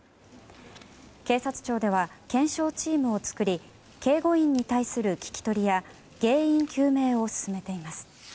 警察庁では検証チームを作り警護員に対する聞き取りや原因究明を進めています。